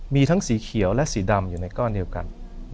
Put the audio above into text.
มีทั้งสีเขียวและสีดำอยู่ในก้อนเดียวกัน